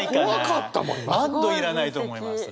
「マッド」いらないと思います。